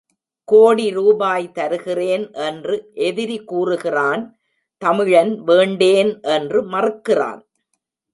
கோடி ரூபாய் தருகிறேன் என்று எதிரி கூறுகிறான் தமிழன் வேண்டேன் என்று மறுக்கிறான்.